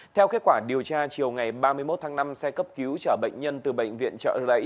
theo kết quả điều tra chiều ngày ba mươi một tháng năm xe cấp cứu chở bệnh nhân từ bệnh viện trợ rẫy